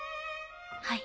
はい。